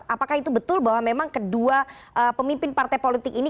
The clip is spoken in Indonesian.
apakah itu betul bahwa memang kedua pemimpin partai politik ini